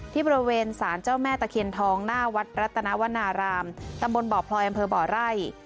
ที่บริเวณสารเจ้าแม่ตะเคียนทองหน้าวัตรรัตนาวรรณารามตมบนบปพรอยแอมเภอบ่อไร่